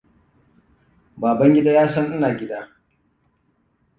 Babangidaa ya san ina gida.